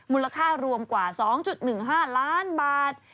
มูลค่ารวมกว่า๒๑๕ล้านบาท